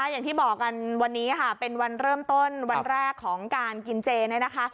อย่างที่บอกกันวันนี้ค่ะเป็นวันเริ่มต้นวันแรกของการกินเจเนี่ยนะคะ